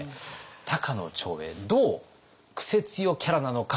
高野長英どうクセ強キャラなのか